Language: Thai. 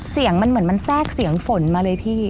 เสียงมันเหมือนมันแทรกเสียงฝนมาเลยพี่